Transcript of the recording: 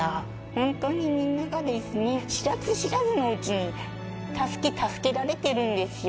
本当にみんながですね、知らず知らずのうちに助け、助けられてるんですよ。